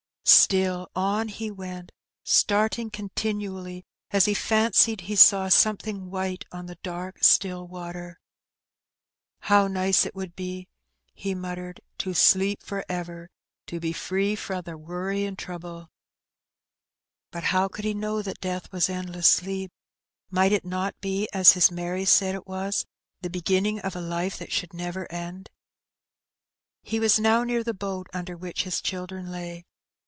Still on he went, starting continually as he fancied he saw something white on the dark still water. ''How nice it would be," he muttered, " to sleep for ever ! to be free fra the worry an^ trouble." But how could he know that death was endless sleep? Might it not be, as his Mary said it was, the beginning of a life that should never end? He was now near the boat under which his children lay.